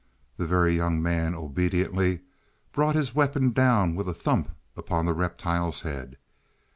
The Very Young Man obediently brought his weapon down with a thump upon the reptile's head.